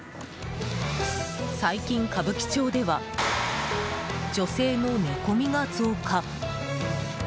最近、歌舞伎町では女性の寝込みが増加。